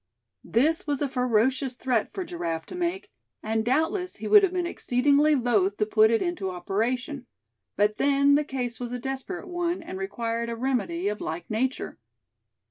This was a ferocious threat for Giraffe to make; and doubtless he would have been exceedingly loth to put it into operation; but then the case was a desperate one, and required a remedy of like nature.